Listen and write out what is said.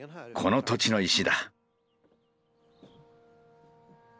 この土地の石だ。